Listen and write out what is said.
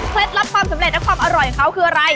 ลับความสำเร็จและความอร่อยของเขาคืออะไร